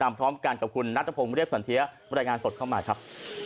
พร้อมกันกับคุณนัทพงศ์เรียบสันเทียบรรยายงานสดเข้ามาครับ